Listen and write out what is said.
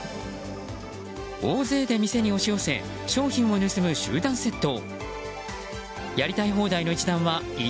大勢で店に押し寄せ商品を盗む集団窃盗。